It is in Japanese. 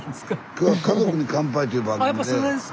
今日は「家族に乾杯」という番組で。